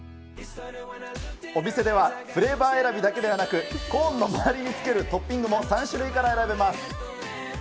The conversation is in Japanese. お店では、フレーバー選びだけでなく、コーンの周りにつけるトッピングも３種類から選べます。